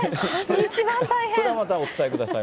それはまたお伝えください